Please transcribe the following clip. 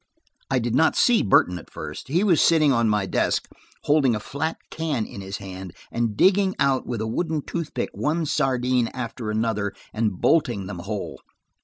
I did not see Burton at first. He was sitting on my desk, holding a flat can in his hand, and digging out with a wooden toothpick one sardine after another and bolting them whole.